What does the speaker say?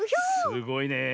すごいねえ。